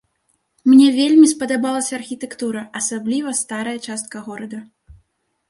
Мне вельмі спадабалася архітэктура, асабліва старая частка горада.